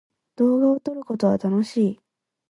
動画を撮ることは楽しい。